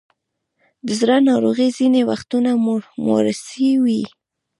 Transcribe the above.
د زړه ناروغۍ ځینې وختونه موروثي وي.